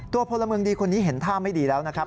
พลเมืองดีคนนี้เห็นท่าไม่ดีแล้วนะครับ